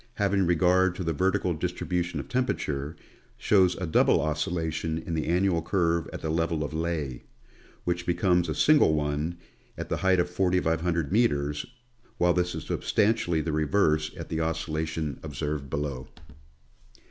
^ 153 ing regard to the vertical distribution of temperature, shows a double oscillation in the annual curve at the level of Leh, which becomes a single one at the height of 4500 meters, while this is substantially the reverse of the oscillation observed below.